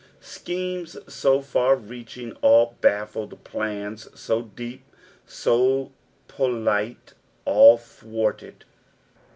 Schemes so far reaching all baffled, plans SO deep, so politic, all thwarted.